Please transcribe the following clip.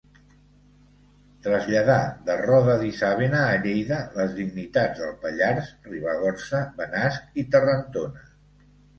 Traslladà de Roda d'Isàvena a Lleida les dignitats del Pallars, Ribagorça, Benasc i Terrantona.